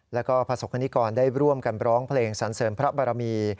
แล้วก็ผ่านศพคณิกรได้ร่วมการบร้องผลงศันเสริมพระบรมี